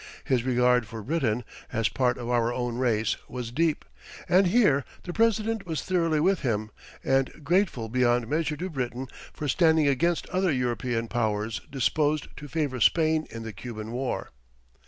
His regard for Britain, as part of our own race, was deep, and here the President was thoroughly with him, and grateful beyond measure to Britain for standing against other European powers disposed to favor Spain in the Cuban War.